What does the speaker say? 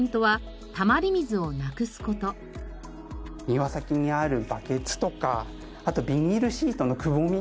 庭先にあるバケツとかあとビニールシートのくぼみ